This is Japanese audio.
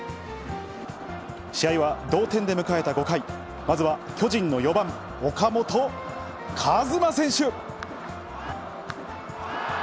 試合は同点で迎えた５回、まずは巨人の４番岡本和真選手。